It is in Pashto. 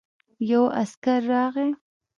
يو عسکر راغی.